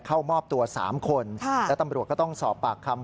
เข้ามอบตัว๓คนและตำรวจก็ต้องสอบปากคำ